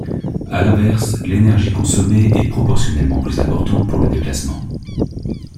À l'inverse, l'énergie consommée est proportionnellement plus importante pour le déplacement.